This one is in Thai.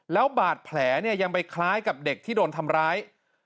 แล้วบาดแผลเนี่ยยังไปคล้ายกับเด็กที่โดนทำร้าย